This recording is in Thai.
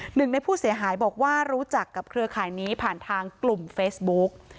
หนึ่งในผู้เสียหายบอกว่ารู้จักกับเครือข่ายนี้ผ่านทางกลุ่มเฟซบุ๊ก